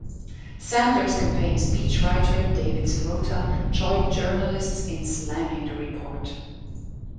Sanders campaign speechwriter David Sirota joined journalists in slamming the report.